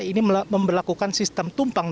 ini memperlakukan sistem tumpang